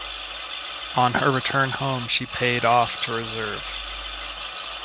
On her return home she paid off to reserve.